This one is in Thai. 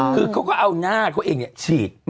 คือเขาก็เอาหน้าตัวเองนี่ฉีด